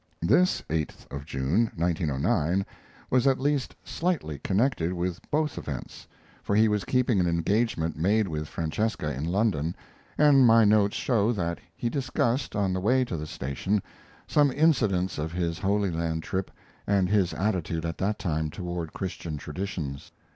This 8th of June, 1909, was at least slightly connected with both events, for he was keeping an engagement made with Francesca in London, and my notes show that he discussed, on the way to the station, some incidents of his Holy Land trip and his attitude at that time toward Christian traditions.